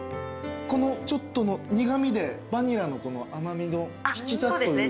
このちょっとの苦味でバニラの甘味の引き立つというか。